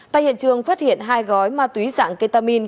tại hiện trường phát hiện hai gói ma túy dạng ketamin